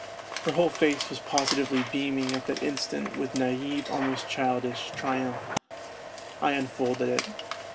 Her whole face was positively beaming at that instant with naive, almost childish, triumph. I unfolded it.